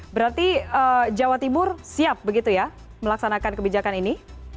berarti jawa timur siap begitu ya melaksanakan kebijakan ini